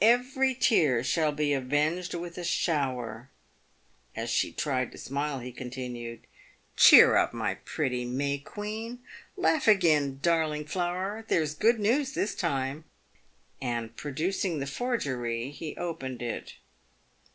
Every tear shall be aveuged with a shower." As she tried to smile, he continued :" Cheer up, my pretty May queen ! laugh again, darling flower ! there is good news this time !" And producing his forgery he opened it.